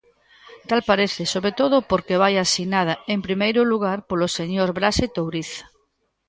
Tal parece, sobre todo porque vai asinada, en primeiro lugar, polo señor Braxe Touriz.